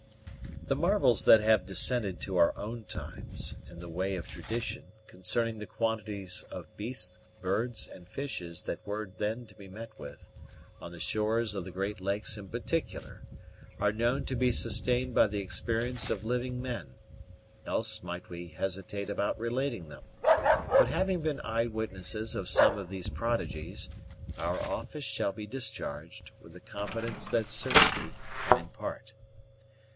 The marvels that have descended to our own times, in the way of tradition, concerning the quantities of beasts, birds, and fishes that were then to be met with, on the shores of the great lakes in particular, are known to be sustained by the experience of living men, else might we hesitate about relating them; but having been eye witnesses of some of these prodigies, our office shall be discharged with the confidence that certainty can impart.